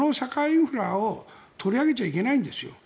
その社会インフラを取り上げちゃいけないんです。